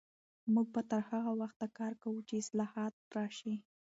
موږ به تر هغه وخته کار کوو چې اصلاحات راشي.